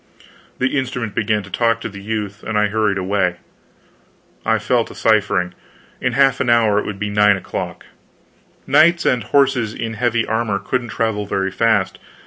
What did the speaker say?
The instrument began to talk to the youth and I hurried away. I fell to ciphering. In half an hour it would be nine o'clock. Knights and horses in heavy armor couldn't travel very fast.